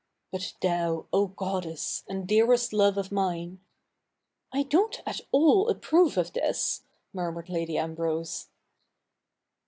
But thou, O goddess, and dearest love of mine— (' I don't at all approve of this,' murmured Lady Ambrose.)